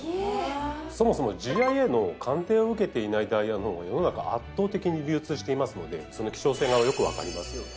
そもそもＧＩＡの鑑定を受けていないダイヤのほうが世の中圧倒的に流通していますのでその希少性がよく分かりますよね。